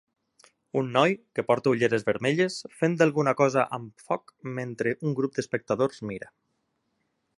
Un noi que porta ulleres vermelles fent alguna cosa amb foc mentre un grup d'espectadors mira.